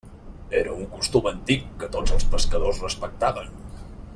Era un costum antic, que tots els pescadors respectaven.